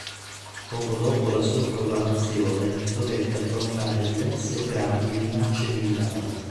Poco dopo la sua proclamazione dovette affrontare diverse e gravi minacce militari.